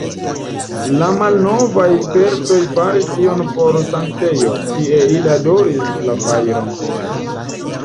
La malnovaj persoj faris tion por sanktejo, tie ili adoris la fajron.